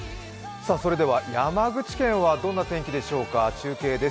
それでは山口県はどんな天気でしょうか、中継です。